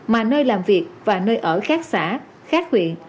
mà nơi làm việc và nơi ở khác xã khác huyện